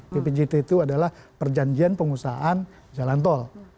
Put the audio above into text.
bpjt itu adalah perjanjian pengusahaan jalan tol